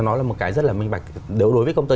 nó là một cái rất là minh bạch đối với công ty